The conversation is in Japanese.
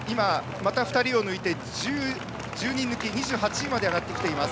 また２人を抜いて１０人抜き２８位まで上がってきています。